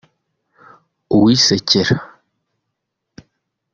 uwisekera